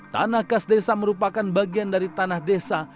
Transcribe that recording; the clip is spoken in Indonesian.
tanah khas desa merupakan bagian dari tanah desa